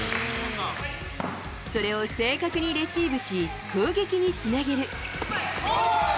それを正確にレシーブし、攻撃につなげる。